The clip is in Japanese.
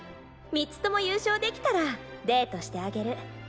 ３つとも優勝できたらデートしてあげる。